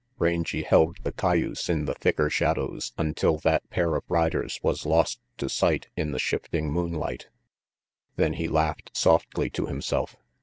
Rangy held the cayuse in the thicker shadows until that pair of riders was lost to sight in the shifting moonlight. Then he laughed softly to himself.